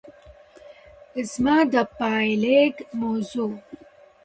زما د پايليک موضوع